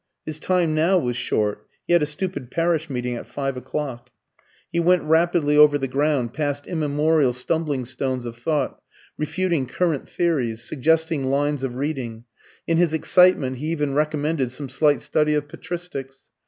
His time now was short; he had a stupid parish meeting at five o'clock. He went rapidly over the ground, past immemorial stumbling stones of thought, refuting current theories, suggesting lines of reading; in his excitement he even recommended some slight study of Patristics.